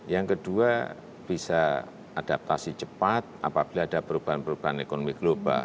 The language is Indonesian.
yang kedua bisa adaptasi cepat apabila ada perubahan perubahan ekonomi global